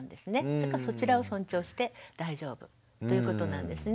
だからそちらを尊重して大丈夫ということなんですね。